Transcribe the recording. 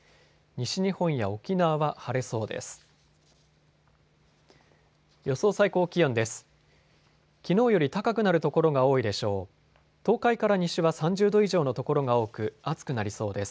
西日本や沖縄は晴れそうです。